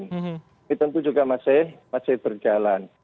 ini tentu juga masih berjalan